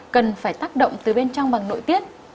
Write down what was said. cần phải tác động từ bên trong bằng nội tiết